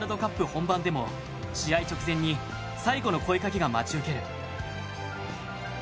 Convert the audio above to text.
本番でも試合直前に最後の声掛けが待ち受ける。